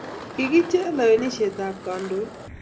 kikichek lewenisheb ab kandoik